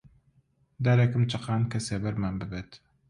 دارێکم چەقاند کە سێبەرمان ببێت